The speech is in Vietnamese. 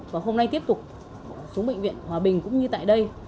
và hôm nay tiếp tục xuống bệnh viện hòa bình cũng như tại đây